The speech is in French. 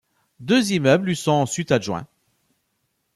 Deux immeubles lui sont ensuite adjoints.